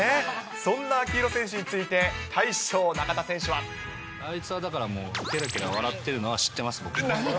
そんな秋広選手について、大将、あいつはだから、けらけら笑ってるのは知ってます、僕は。